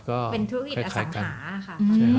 เป็นธุรกิจอสั่งหาค่ะ